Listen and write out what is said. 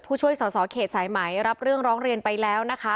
ช่วยสอสอเขตสายไหมรับเรื่องร้องเรียนไปแล้วนะคะ